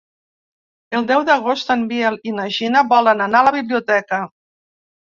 El deu d'agost en Biel i na Gina volen anar a la biblioteca.